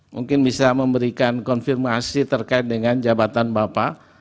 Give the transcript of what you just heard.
mungkin bisa memberikan konfirmasi terkait dengan jabatan bapak